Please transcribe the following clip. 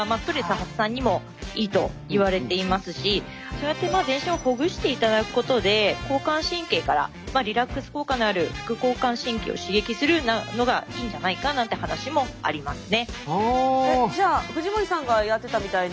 そうやって全身をほぐしていただくことで交感神経からリラックス効果のある副交感神経を刺激するのがいいんじゃないかなんて話もありますね。